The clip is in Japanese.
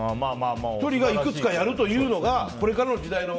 １人がいくつかやるというのがこれからの時代の。